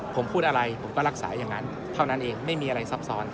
ผมพูดอะไรผมก็รักษาอย่างนั้นเท่านั้นเองไม่มีอะไรซับซ้อน